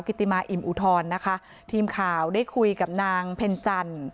ติมาอิ่มอุทรนะคะทีมข่าวได้คุยกับนางเพ็ญจันทร์